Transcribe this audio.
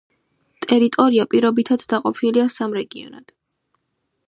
ტერიტორია პირობითად დაყოფილია სამ რეგიონად.